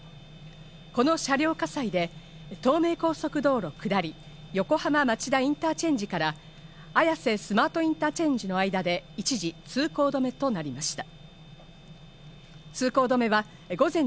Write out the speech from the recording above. この車両火災で、東名高速道路下り横浜町田インターチェンジから綾瀬スマートインターチェンジの間で一時通行止めとなりました。